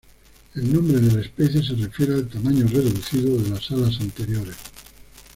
El nombre de la especie se refiere al tamaño reducido de las alas anteriores.